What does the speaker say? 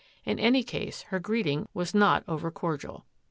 In any case, her greeting was not over cordial.